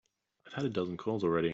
I've had a dozen calls already.